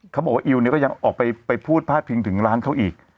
เขาบอกว่าอิวเนี่ยก็ยังออกไปพูดพาดพิงถึงร้านเขาอีก